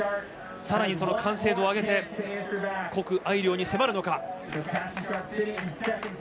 さらに、その完成度を上げて谷愛凌に迫るのか。